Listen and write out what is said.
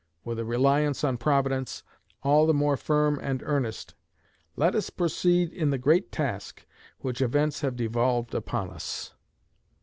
With a reliance on Providence, all the more firm and earnest, let us proceed in the great task which events have devolved upon us.